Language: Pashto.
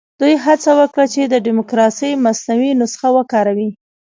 دوی هڅه وکړه چې د ډیموکراسۍ مصنوعي نسخه وکاروي.